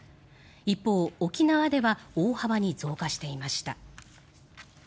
一方、沖縄では大幅に増加していました。